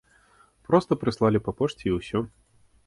Проста прыслалі па пошце і ўсё.